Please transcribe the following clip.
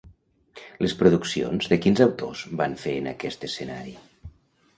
Les produccions de quins autors van fer en aquest escenari?